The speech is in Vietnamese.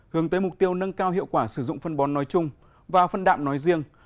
hướng tới mục tiêu nâng cao hiệu quả sử dụng phân bón nói chung và phân đạm nói riêng